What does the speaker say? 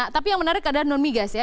tapi yang menarik adalah non migas ya